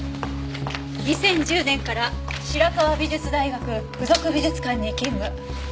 ２０１０年から白河美術大学附属美術館に勤務。